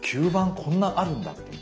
こんなあるんだっていう。